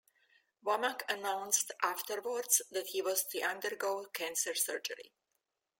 Womack announced afterwards that he was to undergo cancer surgery.